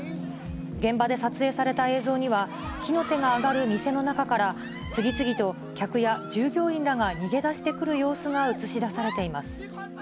現場で撮影された映像には、火の手が上がる店の中から、次々と客や従業員らが逃げ出してくる様子が写し出されています。